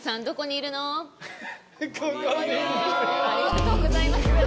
ありがとうございます。